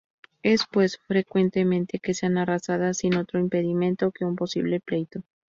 Es pues frecuente que sean arrasadas sin otro impedimento que un posible pleito.